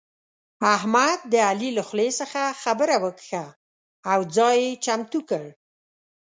احمد د علي له خولې څخه خبره وکښه او ځای يې چمتو کړ.